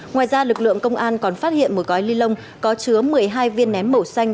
ngoài ra lực lượng công an còn phát hiện một gói ni lông có chứa một mươi hai viên nén màu xanh